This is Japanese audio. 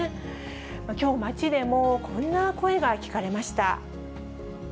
きょう街でも、こんな声が聞かれました。